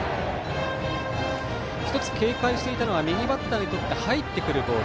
１つ、警戒していたのは右バッターにとって入ってくるボール。